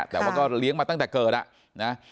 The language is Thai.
แต่ว่าก็เลี้ยงมาตั้งแต่เกิดอ่ะนะ